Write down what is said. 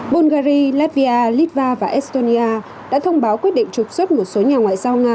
bulgari latvia litva và estonia đã thông báo quyết định trục xuất một số nhà ngoại giao nga